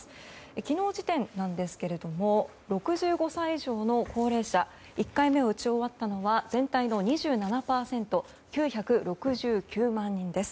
昨日時点ですが６５歳以上の高齢者１回目を打ち終わったのは全体の２７％９６９万人です。